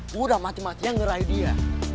gue udah mati matinya ngerayu dia